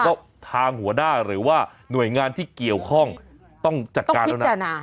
ผมก็ทางหัวหน้าหรือว่าหน่วยงานที่เกี่ยวข้องต้องจัดการแล้วนะต้องพิจารณา